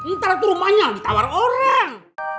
ntar itu rumahnya ditawar orang